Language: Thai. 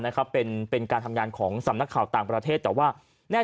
นะครับเป็นเป็นการทำงานของสำนักข่าวต่างประเทศแต่ว่าแน่